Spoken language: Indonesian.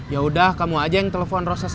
yaudah kamu aja yang telepon rosa sama citra